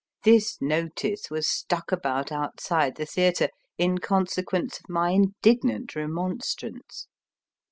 This notice was stuck about outside the theatre in consequence of my indignant remon strance.